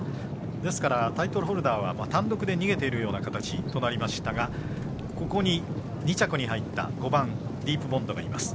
ですからタイトルホルダーは単独で逃げているような形になりましたが２着に入った５番ディープボンドがいます。